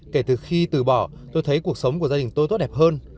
kể từ khi từ bỏ tôi thấy cuộc sống của gia đình tôi tốt đẹp hơn